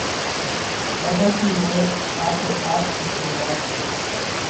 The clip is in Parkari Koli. ٻڌون ٿِي مور آپي آپ ٿِي شرُوعات ڪرون